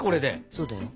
そうだよ。